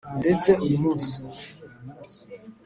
ndetse uyu munsi